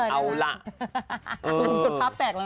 เอาล่ะ